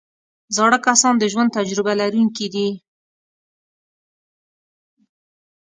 زاړه کسان د ژوند تجربه لرونکي دي